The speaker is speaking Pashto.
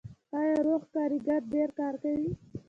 آیا روغ کارګر ډیر کار کوي؟